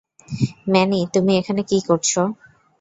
Many, তুমি এখানে কি করছো?